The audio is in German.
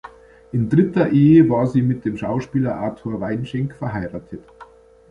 In dritter Ehe war sie mit dem Schauspieler Arthur Weinschenk verheiratet.